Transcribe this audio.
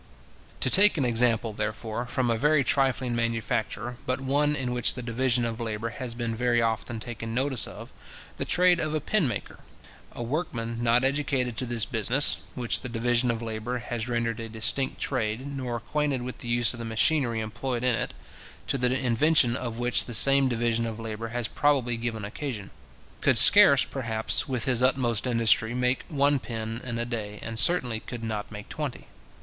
To take an example, therefore, from a very trifling manufacture, but one in which the division of labour has been very often taken notice of, the trade of a pin maker: a workman not educated to this business (which the division of labour has rendered a distinct trade), nor acquainted with the use of the machinery employed in it (to the invention of which the same division of labour has probably given occasion), could scarce, perhaps, with his utmost industry, make one pin in a day, and certainly could not make twenty.